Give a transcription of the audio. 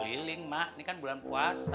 liling mah ini kan bulan puasa